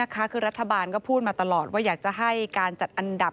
คือรัฐบาลก็พูดมาตลอดว่าอยากจะให้การจัดอันดับ